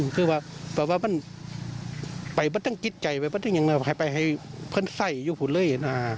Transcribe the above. คือว่าไปไม่ต้องกิดใจไปให้เพื่อนใส่อยู่ภูมิเลย